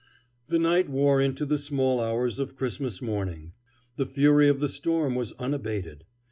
The night wore into the small hours of Christmas morning. The fury of the storm was unabated.